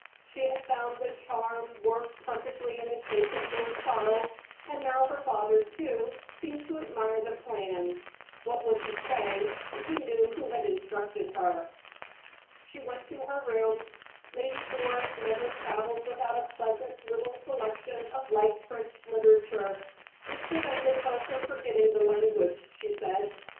She had found the charm work perfectly in the case of Lord Charles, and now her father, too, seemed to admire the plan. What would he say if he knew who had instructed her? She went to her room. Lady Doris never traveled without a pleasant little selection of light French literature "it prevented her from forgetting the language," she said.